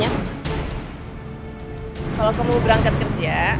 ya kan dia boleh berangkat kerja